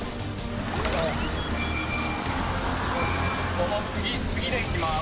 この次次で行きます。